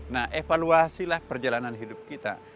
nah evaluasilah perjalanan hidup kita